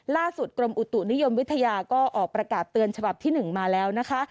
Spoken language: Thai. กรมอุตุนิยมวิทยาก็ออกประกาศเตือนฉบับที่๑มาแล้วนะคะ